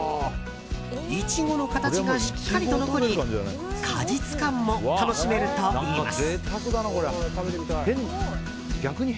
イチゴの形がしっかりと残り果実感も楽しめるといいます。